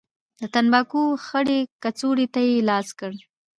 د تنباکو خړې کڅوړې ته يې لاس کړ.